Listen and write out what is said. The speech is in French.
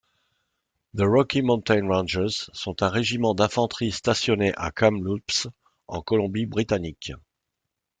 The Rocky Mountain Rangers sont un régiment d'infanterie stationné à Kamloops en Colombie-Britannique.